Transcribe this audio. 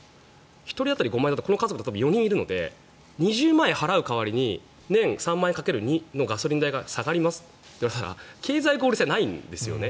１人当たり５万円だとこの家族だと４人いるので２０万円払う代わりに年３万円掛ける２のガソリン代が下がりますといわれても経済合理性がないんですね。